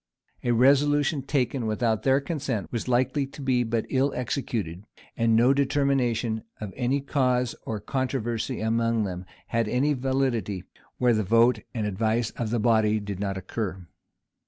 A resolution taken without their consent was likely to be but ill executed: and no determination of any cause or controversy among them had any validity, where the vote and advice of the body did not concur.